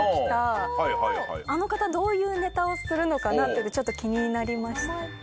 あの方どういうネタをするのかなってちょっと気になりました。